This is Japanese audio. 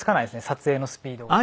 撮影のスピードが。